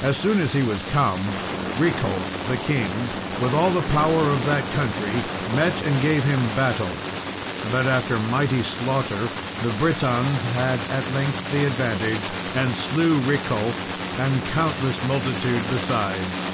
As soon as he was come, Riculf, the king, with all the power of that country, met and gave him battle; but, after mighty slaughter, the Britons had at length the advantage, and slew Riculf and a countless multitude besides.